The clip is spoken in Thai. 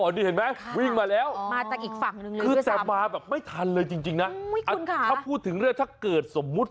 นี่เห็นไหมวิ่งมาแล้วคือแต่มาไม่ทันเลยจริงนะถ้าพูดถึงเรื่องถ้าเกิดสมมติ